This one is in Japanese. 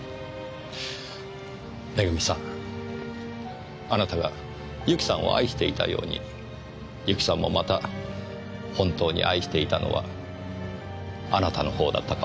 恵さんあなたが由紀さんを愛していたように由紀さんもまた本当に愛していたのはあなたのほうだったかもしれません。